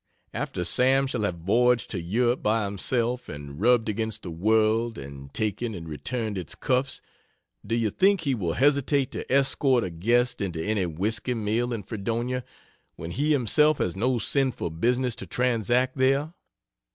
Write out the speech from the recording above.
After Sam shall have voyaged to Europe by himself, and rubbed against the world and taken and returned its cuffs, do you think he will hesitate to escort a guest into any whisky mill in Fredonia when he himself has no sinful business to transact there?